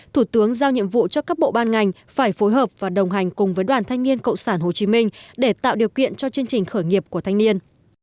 thủ tướng giao nhiệm vụ cho các bộ ban ngành phải phối hợp và đồng hành cùng với đoàn thanh niên cộng sản hồ chí minh để tạo điều kiện cho chương trình khởi nghiệp của thanh niên